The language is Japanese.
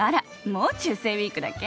もう中世ウイークだっけ？